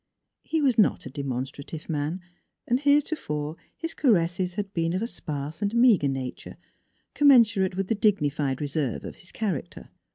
He was not a de monstrative man, and heretofore his caresses had been of a sparse and meager nature, commen surate with the dignified reserve of his character.